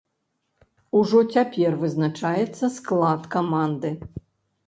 Ужо цяпер вызначаецца склад каманды.